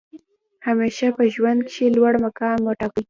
همېشه په ژوند کښي لوړ مقام وټاکئ!